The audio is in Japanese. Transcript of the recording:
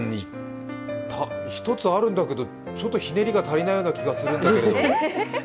１つあるんだけどひねりが足りないような気がするんだけど。